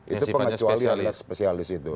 itu pengecualian spesialis itu